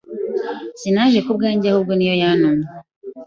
Sinaje ku bwanjye, ahubwo ni yo yantumye.